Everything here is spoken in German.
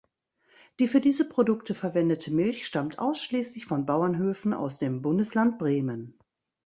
Die für diese Produkte verwendete Milch stammt ausschließlich von Bauernhöfen aus dem Bundesland Bremen.